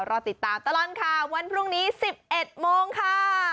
รอติดตามตลอดข่าววันพรุ่งนี้๑๑โมงค่ะ